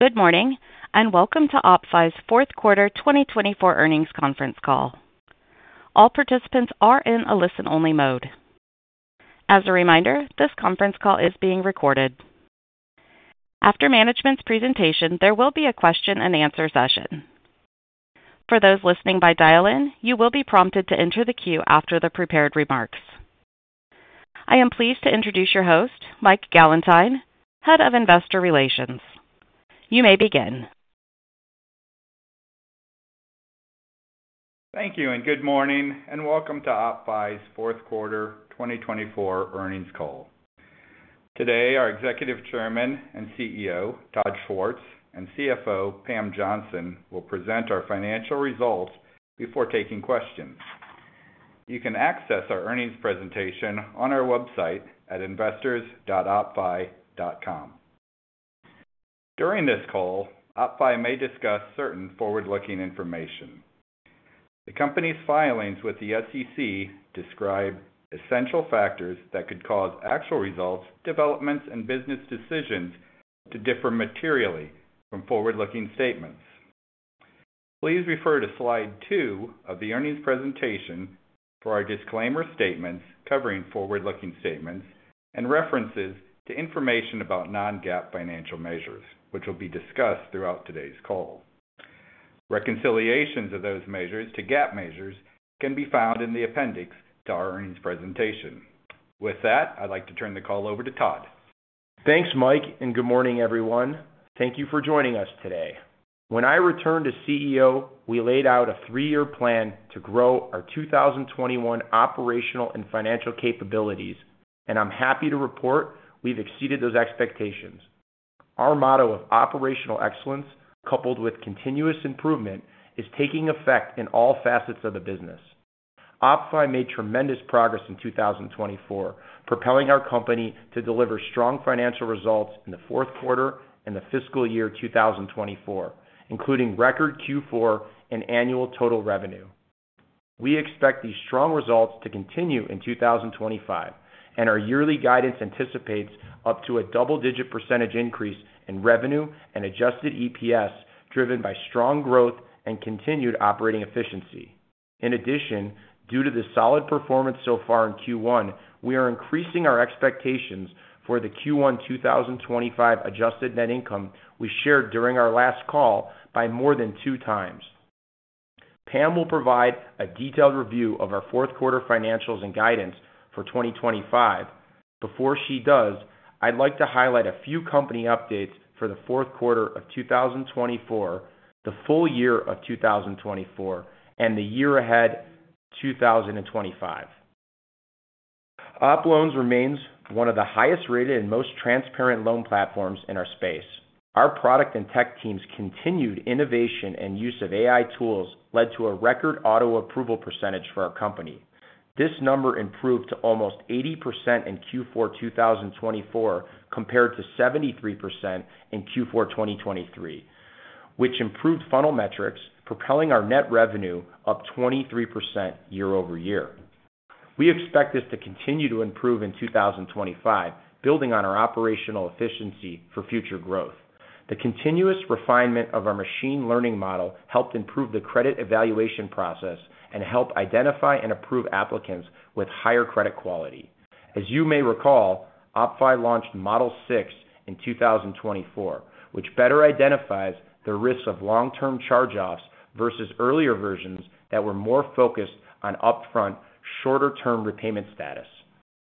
Good morning and welcome to OppFi's fourth quarter 2024 earnings conference call. All participants are in a listen-only mode. As a reminder, this conference call is being recorded. After management's presentation, there will be a question-and-answer session. For those listening by dial-in, you will be prompted to enter the queue after the prepared remarks. I am pleased to introduce your host, Mike Gallentine, Head of Investor Relations. You may begin. Thank you and good morning and welcome to OppFi's fourth quarter 2024 earnings call. Today, our Executive Chairman and CEO, Todd Schwartz, and CFO, Pam Johnson, will present our financial results before taking questions. You can access our earnings presentation on our website at investors.oppfi.com. During this call, OppFi may discuss certain forward-looking information. The company's filings with the SEC describe essential factors that could cause actual results, developments, and business decisions to differ materially from forward-looking statements. Please refer to slide 2 of the earnings presentation for our disclaimer statements covering forward-looking statements and references to information about non-GAAP financial measures, which will be discussed throughout today's call. Reconciliations of those measures to GAAP measures can be found in the appendix to our earnings presentation. With that, I'd like to turn the call over to Todd. Thanks, Mike, and good morning, everyone. Thank you for joining us today. When I returned as CEO, we laid out a three-year plan to grow our 2021 operational and financial capabilities, and I'm happy to report we've exceeded those expectations. Our motto of operational excellence, coupled with continuous improvement, is taking effect in all facets of the business. OppFi made tremendous progress in 2024, propelling our company to deliver strong financial results in the fourth quarter and the fiscal year 2024, including record Q4 and annual total revenue. We expect these strong results to continue in 2025, and our yearly guidance anticipates up to a double-digit % increase in revenue and adjusted EPS driven by strong growth and continued operating efficiency. In addition, due to the solid performance so far in Q1, we are increasing our expectations for the Q1 2025 adjusted net income we shared during our last call by more than two times. Pam will provide a detailed review of our fourth quarter financials and guidance for 2025. Before she does, I'd like to highlight a few company updates for the fourth quarter of 2024, the full year of 2024, and the year ahead, 2025. OppLoans remains one of the highest-rated and most transparent loan platforms in our space. Our product and tech team's continued innovation and use of AI tools led to a record auto-approval percentage for our company. This number improved to almost 80% in Q4 2024 compared to 73% in Q4 2023, which improved funnel metrics, propelling our net revenue up 23% year-over-year. We expect this to continue to improve in 2025, building on our operational efficiency for future growth. The continuous refinement of our machine learning model helped improve the credit evaluation process and helped identify and approve applicants with higher credit quality. As you may recall, OppFi launched Model 6 in 2024, which better identifies the risks of long-term charge-offs versus earlier versions that were more focused on upfront, shorter-term repayment status.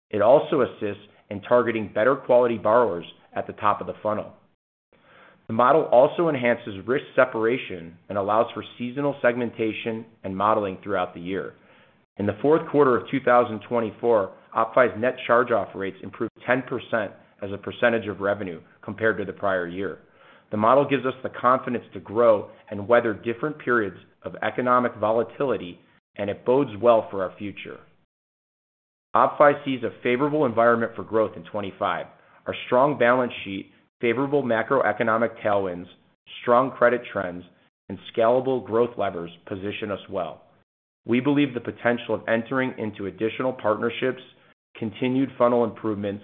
It also assists in targeting better-quality borrowers at the top of the funnel. The model also enhances risk separation and allows for seasonal segmentation and modeling throughout the year. In the fourth quarter of 2024, OppFi's net charge-off rates improved 10% as a percentage of revenue compared to the prior year. The model gives us the confidence to grow and weather different periods of economic volatility, and it bodes well for our future. OppFi sees a favorable environment for growth in 2025. Our strong balance sheet, favorable macroeconomic tailwinds, strong credit trends, and scalable growth levers position us well. We believe the potential of entering into additional partnerships, continued funnel improvements,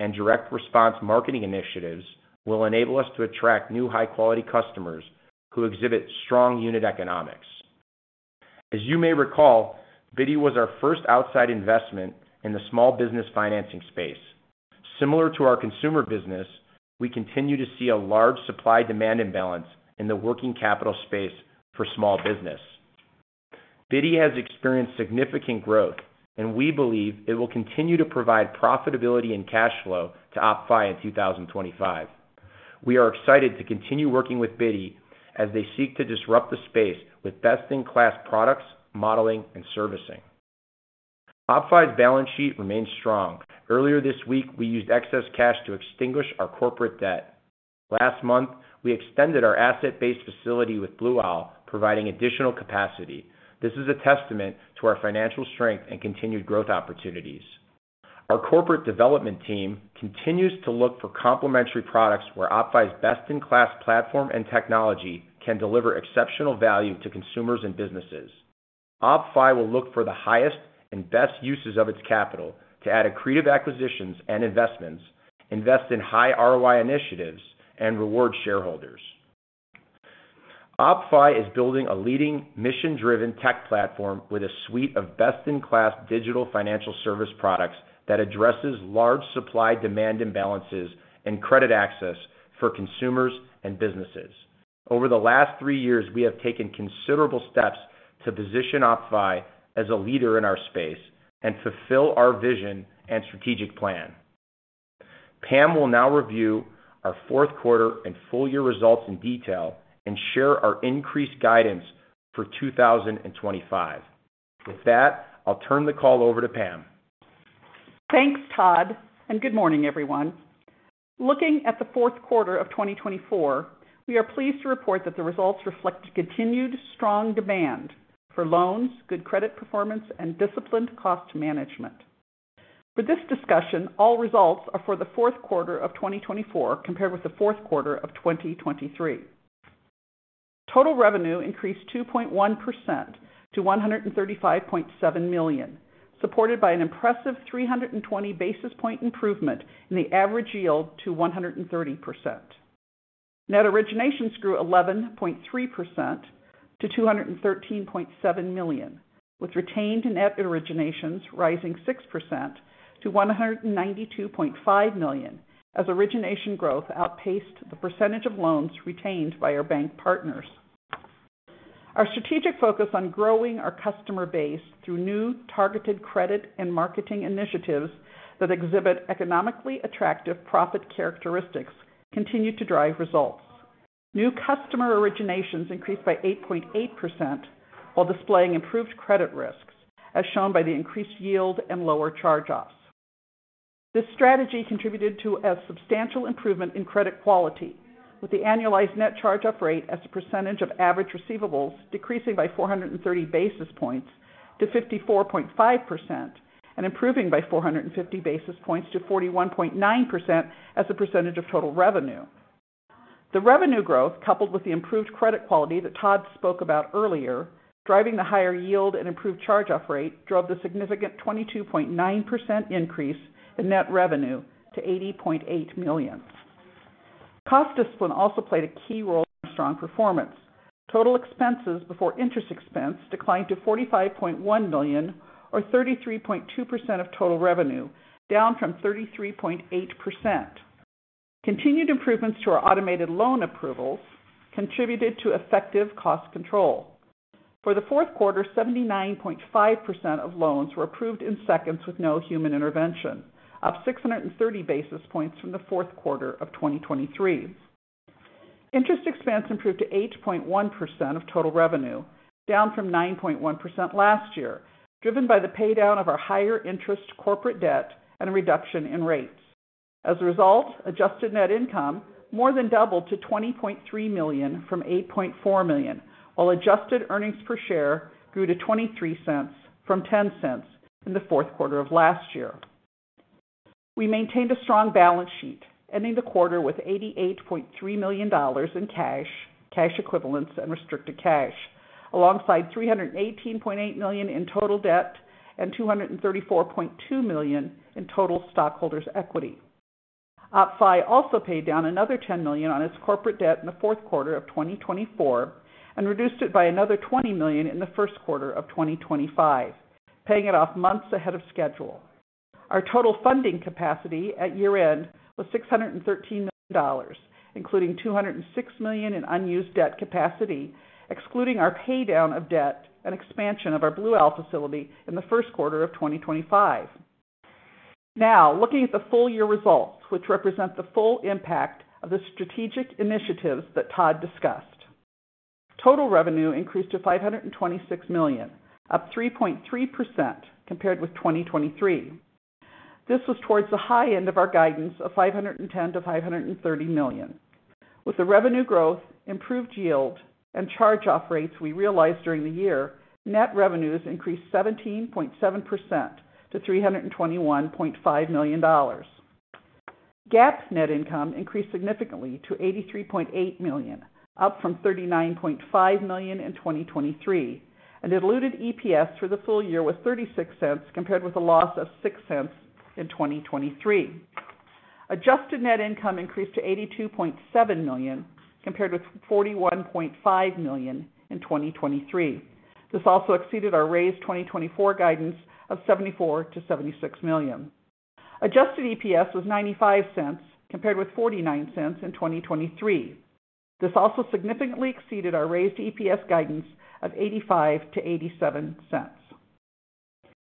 and direct response marketing initiatives will enable us to attract new high-quality customers who exhibit strong unit economics. As you may recall, Bitty was our first outside investment in the small business financing space. Similar to our consumer business, we continue to see a large supply-demand imbalance in the working capital space for small business. Bitty has experienced significant growth, and we believe it will continue to provide profitability and cash flow to OppFi in 2025. We are excited to continue working with Bitty as they seek to disrupt the space with best-in-class products, modeling, and servicing. OppFi's balance sheet remains strong. Earlier this week, we used excess cash to extinguish our corporate debt. Last month, we extended our asset-based facility with Blue Owl, providing additional capacity. This is a testament to our financial strength and continued growth opportunities. Our corporate development team continues to look for complementary products where OppFi's best-in-class platform and technology can deliver exceptional value to consumers and businesses. OppFi will look for the highest and best uses of its capital to add accretive acquisitions and investments, invest in high ROI initiatives, and reward shareholders. OppFi is building a leading, mission-driven tech platform with a suite of best-in-class digital financial service products that addresses large supply-demand imbalances and credit access for consumers and businesses. Over the last three years, we have taken considerable steps to position OppFi as a leader in our space and fulfill our vision and strategic plan. Pam will now review our fourth quarter and full year results in detail and share our increased guidance for 2025. With that, I'll turn the call over to Pam. Thanks, Todd, and good morning, everyone. Looking at the fourth quarter of 2024, we are pleased to report that the results reflect continued strong demand for loans, good credit performance, and disciplined cost management. For this discussion, all results are for the fourth quarter of 2024 compared with the fourth quarter of 2023. Total revenue increased 2.1% to $135.7 million, supported by an impressive 320 basis point improvement in the average yield to 130%. Net originations grew 11.3% to $213.7 million, with retained net originations rising 6% to $192.5 million as origination growth outpaced the percentage of loans retained by our bank partners. Our strategic focus on growing our customer base through new targeted credit and marketing initiatives that exhibit economically attractive profit characteristics continued to drive results. New customer originations increased by 8.8% while displaying improved credit risks, as shown by the increased yield and lower charge-offs. This strategy contributed to a substantial improvement in credit quality, with the annualized net charge-off rate as a percentage of average receivables decreasing by 430 basis points to 54.5% and improving by 450 basis points to 41.9% as a percentage of total revenue. The revenue growth, coupled with the improved credit quality that Todd spoke about earlier, driving the higher yield and improved charge-off rate, drove the significant 22.9% increase in net revenue to $80.8 million. Cost discipline also played a key role in our strong performance. Total expenses before interest expense declined to $45.1 million, or 33.2% of total revenue, down from 33.8%. Continued improvements to our automated loan approvals contributed to effective cost control. For the fourth quarter, 79.5% of loans were approved in seconds with no human intervention, up 630 basis points from the fourth quarter of 2023. Interest expense improved to 8.1% of total revenue, down from 9.1% last year, driven by the paydown of our higher interest corporate debt and a reduction in rates. As a result, adjusted net income more than doubled to $20.3 million from $8.4 million, while adjusted earnings per share grew to $0.23 from $0.10 in the fourth quarter of last year. We maintained a strong balance sheet, ending the quarter with $88.3 million in cash, cash equivalents, and restricted cash, alongside $318.8 million in total debt and $234.2 million in total stockholders' equity. OppFi also paid down another $10 million on its corporate debt in the fourth quarter of 2024 and reduced it by another $20 million in the first quarter of 2025, paying it off months ahead of schedule. Our total funding capacity at year-end was $613 million, including $206 million in unused debt capacity, excluding our paydown of debt and expansion of our Blue Owl facility in the first quarter of 2025. Now, looking at the full year results, which represent the full impact of the strategic initiatives that Todd discussed, total revenue increased to $526 million, up 3.3% compared with 2023. This was towards the high end of our guidance of $510-$530 million. With the revenue growth, improved yield, and charge-off rates we realized during the year, net revenues increased 17.7% to $321.5 million. GAAP net income increased significantly to $83.8 million, up from $39.5 million in 2023, and diluted EPS for the full year was $0.36 compared with a loss of $0.06 in 2023. Adjusted net income increased to $82.7 million compared with $41.5 million in 2023. This also exceeded our raised 2024 guidance of $74 million-$76 million. Adjusted EPS was $0.95 compared with $0.49 in 2023. This also significantly exceeded our raised EPS guidance of $0.85-$0.87.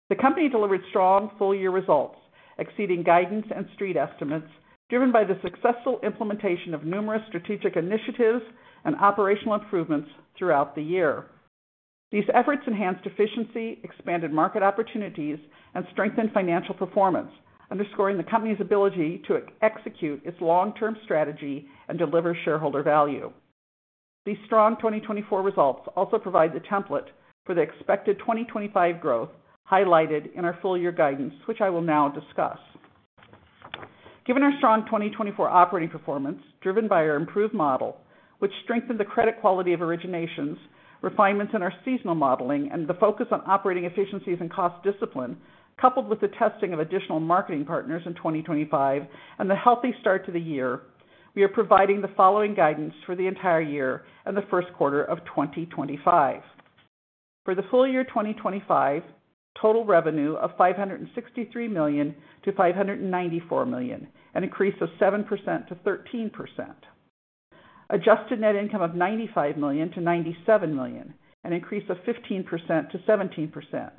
The company delivered strong full-year results, exceeding guidance and Street estimates, driven by the successful implementation of numerous strategic initiatives and operational improvements throughout the year. These efforts enhanced efficiency, expanded market opportunities, and strengthened financial performance, underscoring the company's ability to execute its long-term strategy and deliver shareholder value. These strong 2024 results also provide the template for the expected 2025 growth highlighted in our full-year guidance, which I will now discuss. Given our strong 2024 operating performance, driven by our improved model, which strengthened the credit quality of originations, refinements in our seasonal modeling, and the focus on operating efficiencies and cost discipline, coupled with the testing of additional marketing partners in 2025 and the healthy start to the year, we are providing the following guidance for the entire year and the first quarter of 2025. For the full year 2025, total revenue of $563 million-$594 million, an increase of 7%-13%. Adjusted net income of $95 million-$97 million, an increase of 15%-17%.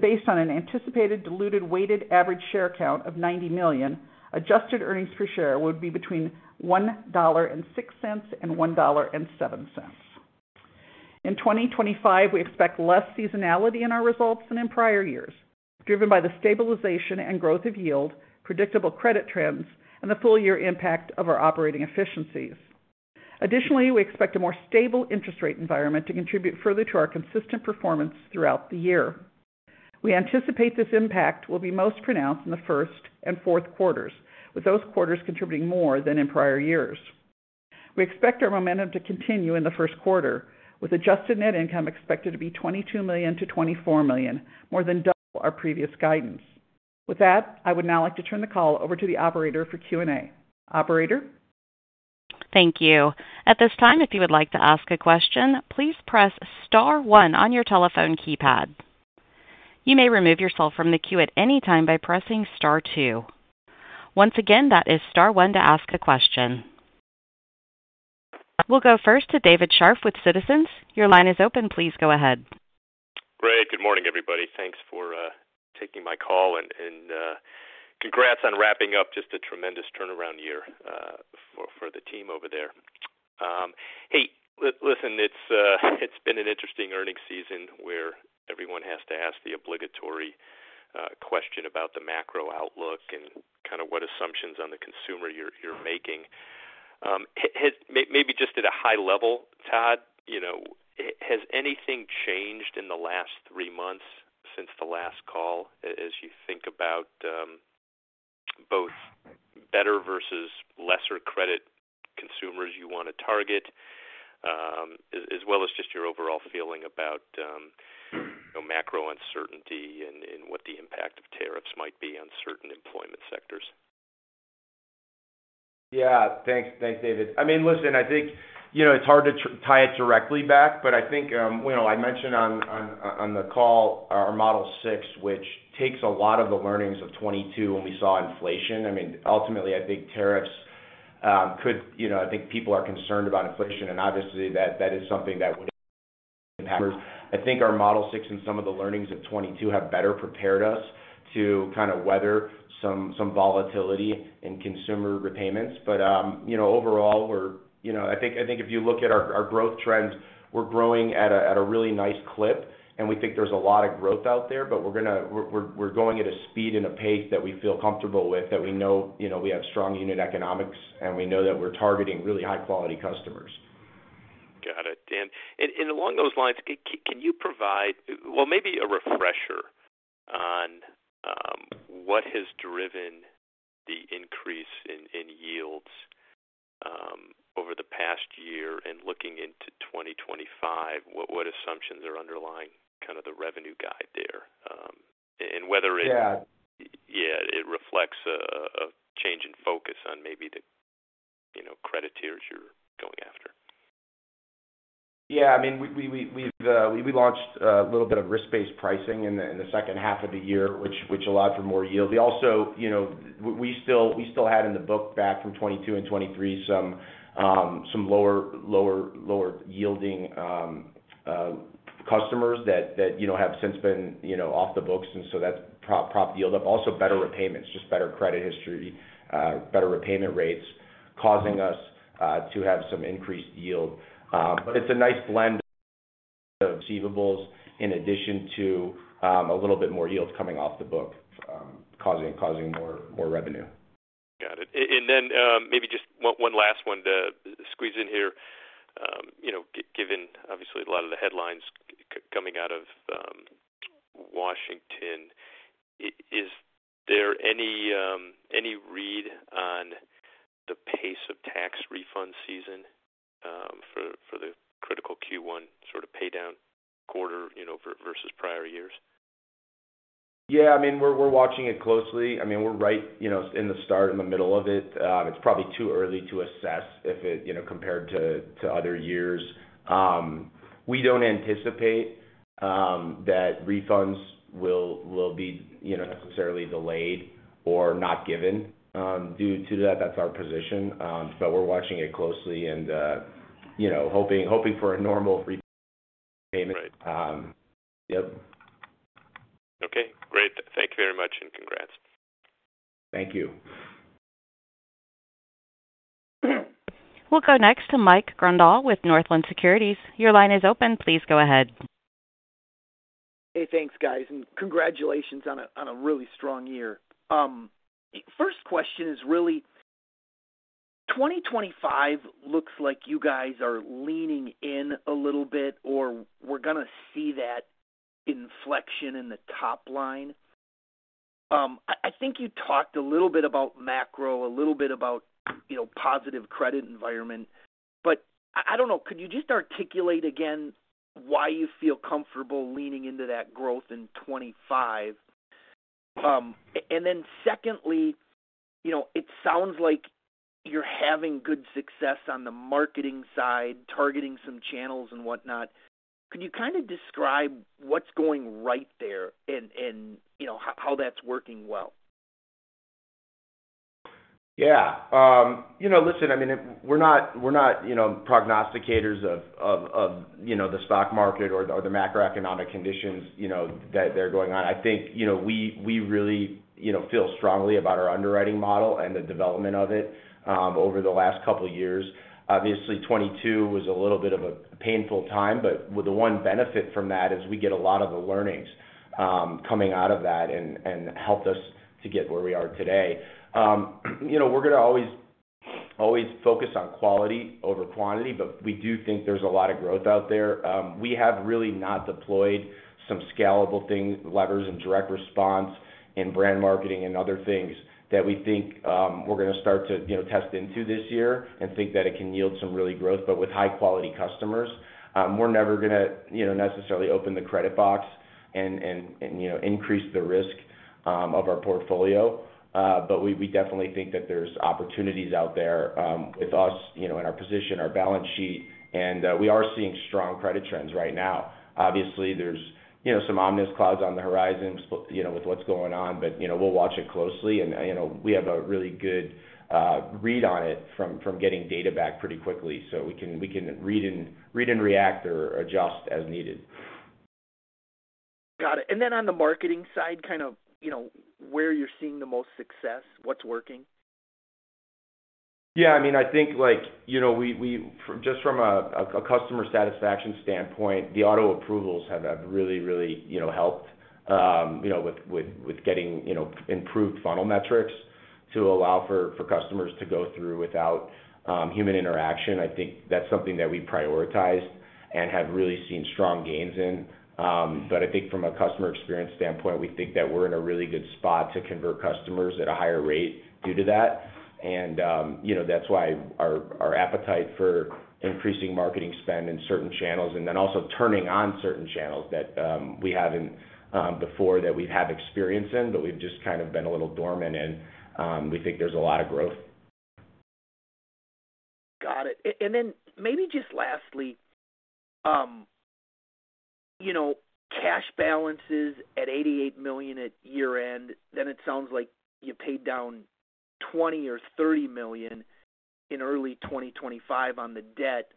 Based on an anticipated diluted weighted average share count of 90 million, adjusted earnings per share would be between $1.06 and $1.07. In 2025, we expect less seasonality in our results than in prior years, driven by the stabilization and growth of yield, predictable credit trends, and the full-year impact of our operating efficiencies. Additionally, we expect a more stable interest rate environment to contribute further to our consistent performance throughout the year. We anticipate this impact will be most pronounced in the first and fourth quarters, with those quarters contributing more than in prior years. We expect our momentum to continue in the first quarter, with adjusted net income expected to be $22 million-$24 million, more than double our previous guidance. With that, I would now like to turn the call over to the operator for Q&A. Operator. Thank you. At this time, if you would like to ask a question, please press Star 1 on your telephone keypad. You may remove yourself from the queue at any time by pressing Star 2. Once again, that is Star 1 to ask a question. We'll go first to David Scharf with Citizens. Your line is open. Please go ahead. Great. Good morning, everybody. Thanks for taking my call and congrats on wrapping up just a tremendous turnaround year for the team over there. Hey, listen, it's been an interesting earnings season where everyone has to ask the obligatory question about the macro outlook and kind of what assumptions on the consumer you're making. Maybe just at a high level, Todd, has anything changed in the last three months since the last call as you think about both better versus lesser credit consumers you want to target, as well as just your overall feeling about macro uncertainty and what the impact of tariffs might be on certain employment sectors? Yeah. Thanks, David. I mean, listen, I think it's hard to tie it directly back, but I think I mentioned on the call our Model 6, which takes a lot of the learnings of 2022 when we saw inflation. I mean, ultimately, I think tariffs could, I think people are concerned about inflation, and obviously, that is something that would impact. I think our Model 6 and some of the learnings of 2022 have better prepared us to kind of weather some volatility in consumer repayments. Overall, I think if you look at our growth trends, we're growing at a really nice clip, and we think there's a lot of growth out there, but we're going at a speed and a pace that we feel comfortable with, that we know we have strong unit economics, and we know that we're targeting really high-quality customers. Got it. Along those lines, can you provide, maybe a refresher on what has driven the increase in yields over the past year and looking into 2025? What assumptions are underlying kind of the revenue guide there? And whether it. Yeah. Yeah, it reflects a change in focus on maybe the credit tiers you're going after. Yeah. I mean, we launched a little bit of risk-based pricing in the second half of the year, which allowed for more yield. Also, we still had in the book back from 2022 and 2023 some lower yielding customers that have since been off the books, and so that's propped yield up. Also, better repayments, just better credit history, better repayment rates, causing us to have some increased yield. It is a nice blend of receivables in addition to a little bit more yield coming off the book, causing more revenue. Got it. Maybe just one last one to squeeze in here. Given, obviously, a lot of the headlines coming out of Washington, is there any read on the pace of tax refund season for the critical Q1 sort of paydown quarter versus prior years? Yeah. I mean, we're watching it closely. I mean, we're right in the start, in the middle of it. It's probably too early to assess compared to other years. We don't anticipate that refunds will be necessarily delayed or not given due to that. That's our position. We're watching it closely and hoping for a normal repayment. Right. Yep. Okay. Great. Thank you very much and congrats. Thank you. We'll go next to Mike Grondahl with Northland Securities. Your line is open. Please go ahead. Hey, thanks, guys. Congratulations on a really strong year. First question is really, 2025 looks like you guys are leaning in a little bit, or we're going to see that inflection in the top line. I think you talked a little bit about macro, a little bit about positive credit environment, but I don't know, could you just articulate again why you feel comfortable leaning into that growth in 2025? Secondly, it sounds like you're having good success on the marketing side, targeting some channels and whatnot. Could you kind of describe what's going right there and how that's working well? Yeah. Listen, I mean, we're not prognosticators of the stock market or the macroeconomic conditions that are going on. I think we really feel strongly about our underwriting model and the development of it over the last couple of years. Obviously, 2022 was a little bit of a painful time, but the one benefit from that is we get a lot of the learnings coming out of that and helped us to get where we are today. We're going to always focus on quality over quantity, but we do think there's a lot of growth out there. We have really not deployed some scalable levers and direct response in brand marketing and other things that we think we're going to start to test into this year and think that it can yield some really growth, but with high-quality customers. We're never going to necessarily open the credit box and increase the risk of our portfolio, but we definitely think that there's opportunities out there with us and our position, our balance sheet, and we are seeing strong credit trends right now. Obviously, there's some ominous clouds on the horizon with what's going on, but we'll watch it closely, and we have a really good read on it from getting data back pretty quickly, so we can read and react or adjust as needed. Got it. On the marketing side, kind of where you're seeing the most success, what's working? Yeah. I mean, I think just from a customer satisfaction standpoint, the auto approvals have really, really helped with getting improved funnel metrics to allow for customers to go through without human interaction. I think that's something that we prioritized and have really seen strong gains in. I think from a customer experience standpoint, we think that we're in a really good spot to convert customers at a higher rate due to that. That's why our appetite for increasing marketing spend in certain channels and then also turning on certain channels that we haven't before that we have experience in, but we've just kind of been a little dormant in. We think there's a lot of growth. Got it. And then maybe just lastly, cash balances at $88 million at year-end, then it sounds like you paid down $20 million or $30 million in early 2025 on the debt.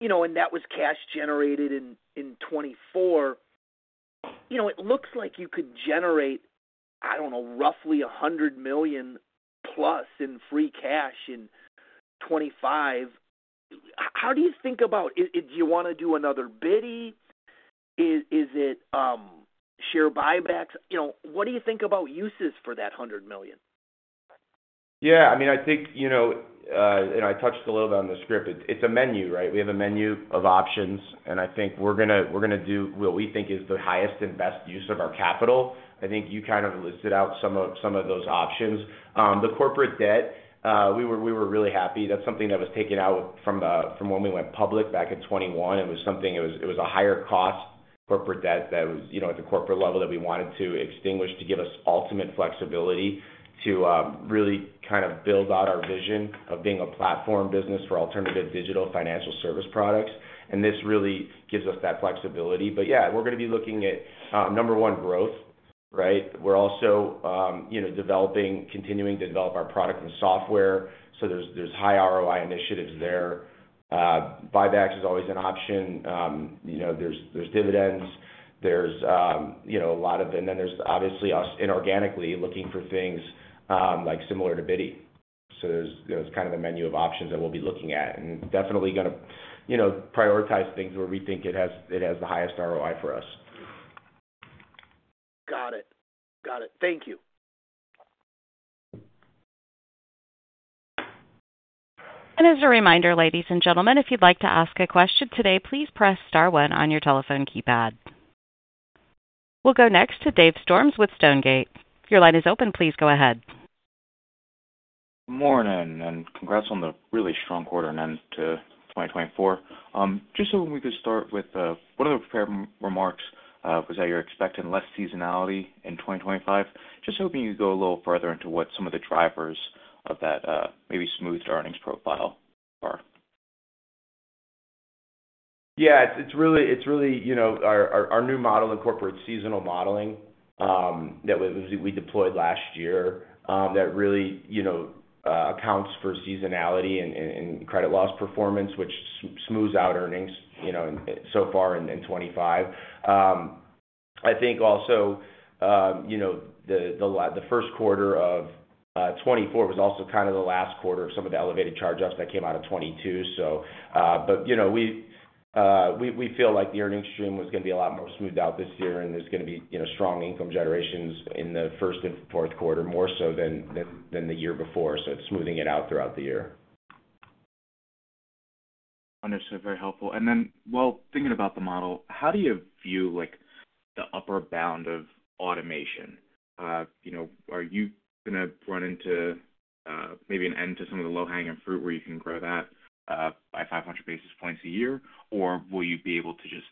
And that was cash generated in 2024. It looks like you could generate, I don't know, roughly $100 million plus in free cash in 2025. How do you think about it? Do you want to do another Bitty? Is it share buybacks? What do you think about uses for that $100 million? Yeah. I mean, I think, and I touched a little bit on the script, it's a menu, right? We have a menu of options, and I think we're going to do what we think is the highest and best use of our capital. I think you kind of listed out some of those options. The corporate debt, we were really happy. That's something that was taken out from when we went public back in 2021. It was something it was a higher-cost corporate debt that was at the corporate level that we wanted to extinguish to give us ultimate flexibility to really kind of build out our vision of being a platform business for alternative digital financial service products. This really gives us that flexibility. Yeah, we're going to be looking at, number one, growth, right? We're also developing, continuing to develop our product and software, so there's high ROI initiatives there. Buybacks is always an option. There's dividends. There's a lot of and then there's obviously us inorganically looking for things similar to Bitty. So there's kind of a menu of options that we'll be looking at and definitely going to prioritize things where we think it has the highest ROI for us. Got it. Got it. Thank you. As a reminder, ladies and gentlemen, if you'd like to ask a question today, please press Star 1 on your telephone keypad. We'll go next to Dave Storms with Stonegate. Your line is open. Please go ahead. Good morning, and congrats on the really strong quarter and end to 2024. Just so we could start, with one of the prepared remarks was that you're expecting less seasonality in 2025. Just hoping you could go a little further into what some of the drivers of that maybe smoothed earnings profile are. Yeah. It's really our new model incorporates seasonal modeling that we deployed last year that really accounts for seasonality and credit loss performance, which smooths out earnings so far in 2025. I think also the first quarter of 2024 was also kind of the last quarter of some of the elevated charge-offs that came out of 2022, so. We feel like the earnings stream was going to be a lot more smoothed out this year, and there's going to be strong income generations in the first and fourth quarter, more so than the year before. It is smoothing it out throughout the year. Understood. Very helpful. Thinking about the model, how do you view the upper bound of automation? Are you going to run into maybe an end to some of the low-hanging fruit where you can grow that by 500 basis points a year, or will you be able to just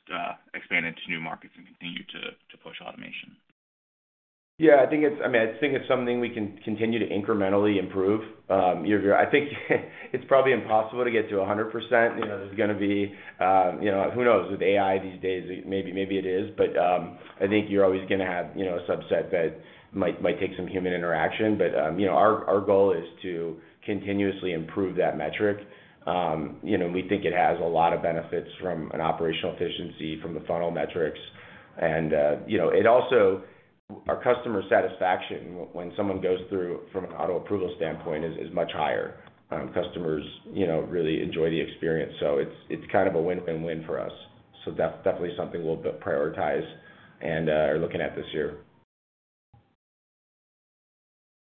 expand into new markets and continue to push automation? Yeah. I mean, I think it's something we can continue to incrementally improve. I think it's probably impossible to get to 100%. There's going to be who knows with AI these days, maybe it is, but I think you're always going to have a subset that might take some human interaction. Our goal is to continuously improve that metric. We think it has a lot of benefits from an operational efficiency from the funnel metrics. It also, our customer satisfaction when someone goes through from an auto approval standpoint is much higher. Customers really enjoy the experience. It's kind of a win-win-win for us. Definitely something we'll prioritize and are looking at this year.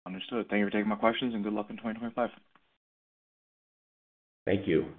Understood. Thank you for taking my questions, and good luck in 2025. Thank you.